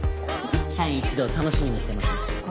社員一同楽しみにしてますんで。